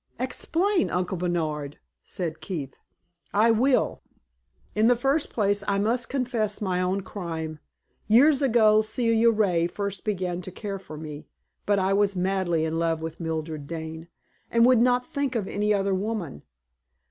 "Explain, Uncle Bernard!" said Keith. "I will. In the first place, I must confess my own crime. Years ago Celia Ray first began to care for me, but I was madly in love with Mildred Dane, and would not think of any other woman.